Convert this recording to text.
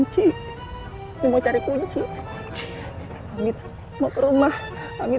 dia lagi dia lagi